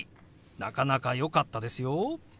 なかなかよかったですよ。